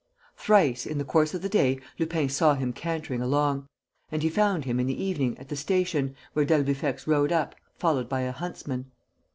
Thrice, in the course of the day, Lupin saw him cantering along. And he found him, in the evening, at the station, where d'Albufex rode up, followed by a huntsman.